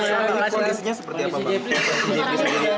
sebelumnya kondisinya seperti apa